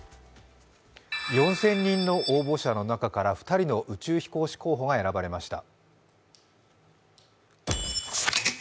４０００人の応募者の中から２人の宇宙飛行士候補が選ばれました。